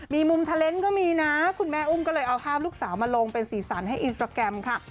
มีมุมเทอร์เลนส์ก็มีนะคุณแม่อุ้มก็เลยเอาภาพลูกสาวมาลงเป็นสีสันให้อินสตราแกรมค่ะ